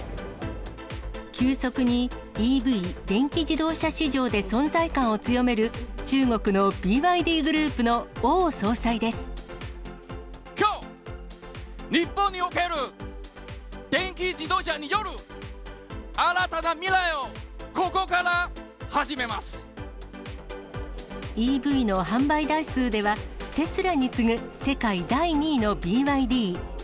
急速にＥＶ・電子自動車市場で存在感を強める中国のＢＹＤグルーきょう日本における電気自動車による新たな未来を、ＥＶの販売台数では、テスラに次ぐ世界第２位のＢＹＤ。